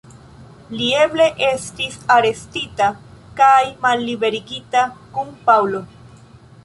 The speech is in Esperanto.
Li eble estis arestita kaj malliberigita kun Paŭlo.